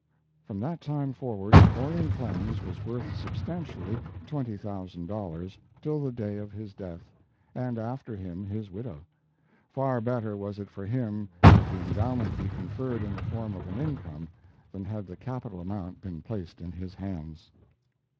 From that time forward Orion Clemens was worth substantially twenty thousand dollars till the day of his death, and, after him, his widow. Far better was it for him that the endowment be conferred in the form of an income, than had the capital amount been placed in his hands.